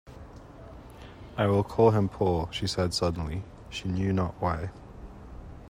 “I will call him Paul,” she said suddenly; she knew not why.